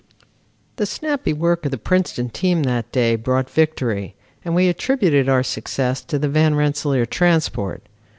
The snappy work of the Princeton team that day brought victory, and we attributed our success to the Van Rensselaer transport.